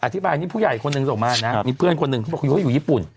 อธิบายนี่ผู้ใหญ่คนหนึ่งส่งมานะมีเพื่อนคนหนึ่งเขาบอกคุณยูเขาอยู่ญี่ปุ่น